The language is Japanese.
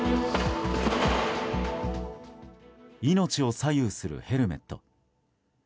命を左右するヘルメット。